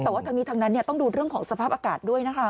แต่ว่าทั้งนี้ทั้งนั้นต้องดูเรื่องของสภาพอากาศด้วยนะคะ